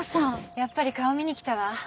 やっぱり顔見に来たわ。